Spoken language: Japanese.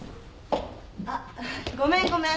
あっごめんごめん。